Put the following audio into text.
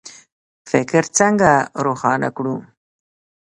فکر څنګه روښانه کړو؟